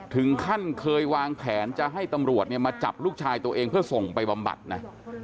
ถึงขั้นเคยวางแผนจะให้ตำรวจเนี่ยมาจับลูกชายตัวเองเพื่อส่งไปบำบัดนะ